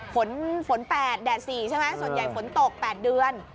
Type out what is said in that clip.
ฝนฝน๘แดด๔ใช่ไหมส่วนใหญ่ฝนตก๘เดือน